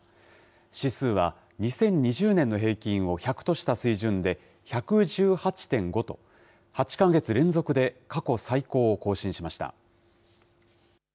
指数は２０２０年の平均を１００とした水準で、１１８．５と、８か月連続で過去最高を更新しました。